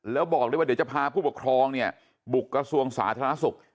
แล้วบอกด้วยว่าเดี๋ยวจะพาผู้ปกครองเนี่ยบุกกระทรวงสาธารณสุข